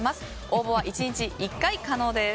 応募は１日１回可能です。